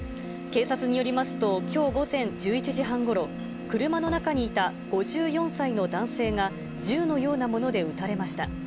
警察によりますと、きょう午前１１時半ごろ、車の中にいた５４歳の男性が、銃のようなもので撃たれました。